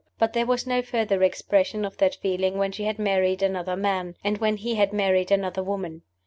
But there was no further expression of that feeling when she had married another man, and when he had married another woman.